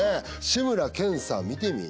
「志村けんさん見てみぃ